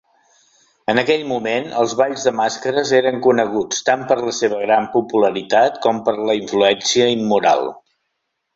En aquell moment, els balls de màscares eren coneguts tant per la seva gran popularitat com per la influència immoral.